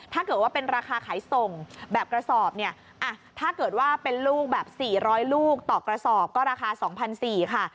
ถ้าเกิดว่าเป็นราคาขายส่งแบบกระสอบเนี่ยถ้าเกิดว่าเป็นลูกแบบ๔๐๐ลูกต่อกระสอบก็ราคา๒๔๐๐บาทค่ะ